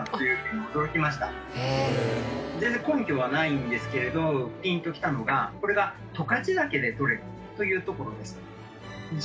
全然根拠はないんですけれどピンと来たのがこれが。というところです。